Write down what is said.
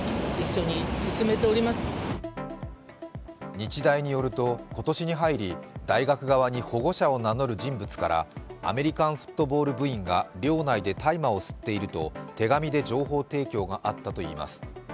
日大によると、今年に入り大学側に保護者を名乗る人物からアメリカンフットボール部員が寮内で大麻を吸っていると手紙で情報提供があったといいます。